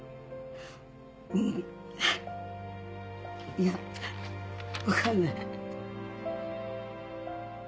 いやわかんない。